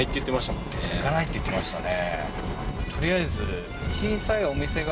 もんね行かないって言ってましたね